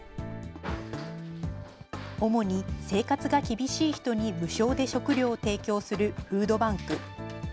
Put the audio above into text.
主に生活が厳しい人に無償で食料を提供するフードバンク。